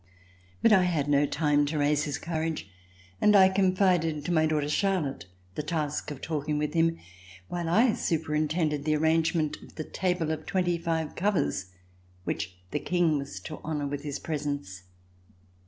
But I had no time to raise his courage, and I confided to my daughter, Charlotte, the task of talking with him while I superintended the arrange ment of the table of twenty five covers, which the King was to honor with his presence.